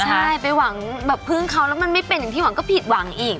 ใช่ไปหวังแบบพึ่งเขาแล้วมันไม่เป็นอย่างที่หวังก็ผิดหวังอีก